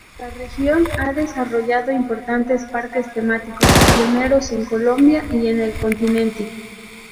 La región ha desarrollado importantes parques temáticos, pioneros en Colombia y el continente.